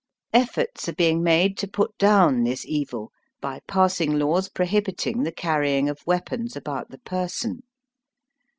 Efforts are being made to put down this evil by passing laws prohibiting the carrying of weapons about the person.